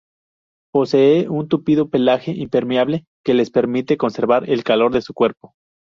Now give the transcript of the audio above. Poseen un tupido pelaje impermeable que les permite conservar el calor de su cuerpo.